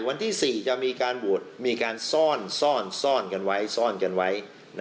วันที่๔จะมีการส่อนส่อนส่อนกันไว้ส่อนกันไว้